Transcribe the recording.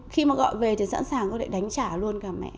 khi mà gọi về thì sẵn sàng có thể đánh trả luôn cả mẹ